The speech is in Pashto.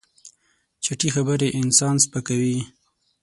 چټي خبرې انسان سپکوي.